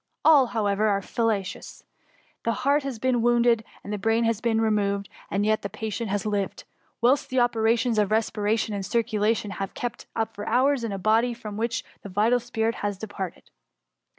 All, however, are fallacious ; the heart has been wounded, and the brain has been removed, and yet the patient has lived, whilst the operations of respiration and circulation have been kept up for hours, in a body from which the vital spirit had departed.